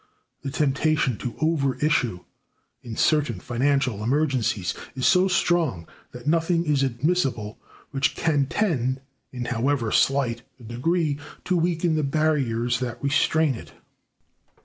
The temptation to over issue, in certain financial emergencies, is so strong, that nothing is admissible which can tend, in however slight a degree, to weaken the barriers that restrain it.